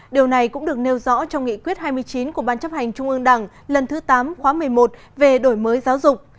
điều này cũng được nêu rõ trong nghị quyết hai mươi chín của ban chấp hành trung ương đảng lần thứ tám khóa một mươi một về đổi mới giáo dục